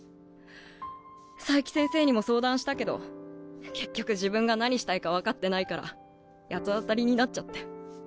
佐伯先生にも相談したけど結局自分が何したいか分かってないから八つ当たりになっちゃって。